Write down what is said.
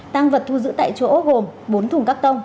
tăng vật thu giữ tại chỗ gồm bốn thùng các tông